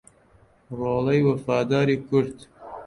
ڕۆڵەی وەفاداری کورد